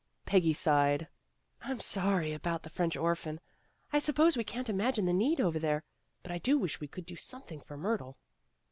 Peggy sighed. ''I'm not sorry about the French orphan. I suppose we can't imagine the need over there. But I do wish we could do something for Myrtle."